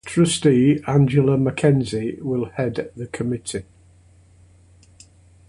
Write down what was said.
Trustee Angela McKenzie will head the committee.